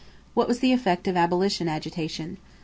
What was the effect of abolition agitation?